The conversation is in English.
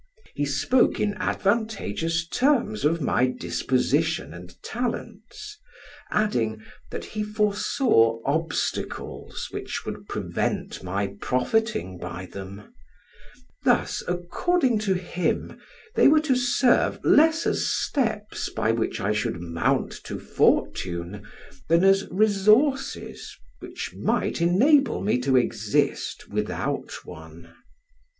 He spoke in advantageous terms of my disposition and talents, adding, that he foresaw obstacles which would prevent my profiting by them; thus, according to him, they were to serve less as steps by which I should mount to fortune, than as resources which might enable me to exist without one.